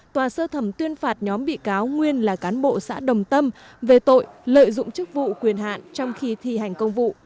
tòa sơ thẩm tuyên phạt nhóm bị cáo nguyên là cán bộ xã đồng tâm về tội lợi dụng chức vụ quyền hạn trong khi thi hành công vụ